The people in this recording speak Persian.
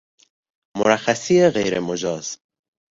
مرخصی غیر مجاز